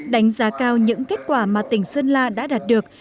đánh giá cao những kết quả mà tỉnh sơn la đã đạt được